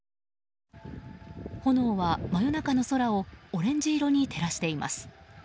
炎は真夜中の空をオレンジ色に照らしています。